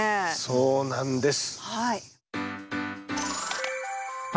そうなんです。